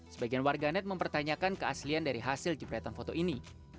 sebagian warganet mempertanyakan keaslian dari hasil jepretan foto ini